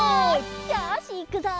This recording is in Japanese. よしいくぞ！